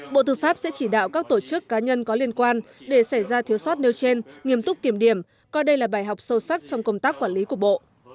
bộ tư pháp sẽ chỉ đạo các tổ chức cá nhân có liên quan để xảy ra thiếu sót nêu trên nghiêm túc kiểm điểm coi đây là bài học sâu sắc trong công tác quản lý của bộ